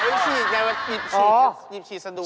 เฮ่ยมึงฉีดไงวันอีกฉีดยิบฉีดสะดวก